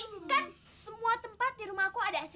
kan semua tempat di rumah aku ada ac